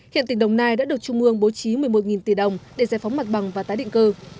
hiện tỉnh đồng nai đã được trung ương bố trí một mươi một tỷ đồng để giải phóng mặt bằng và tái định cư